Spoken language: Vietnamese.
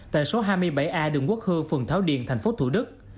tại số hai mươi bảy a đường quốc hương phường thảo điện tp thủ đức